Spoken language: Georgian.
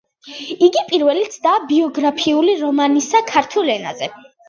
იგი პირველი ცდაა ბიოგრაფიული რომანისა ქართულ ენაზე.